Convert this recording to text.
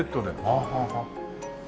はあはあはあ。